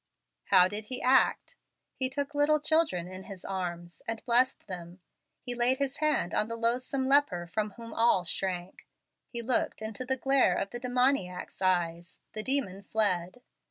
How did He act? He took little children in His arms, and blessed them. He laid His hand on the loathsome leper from whom all shrank. He looked into the glare of the demoniac's eyes: the demons fled.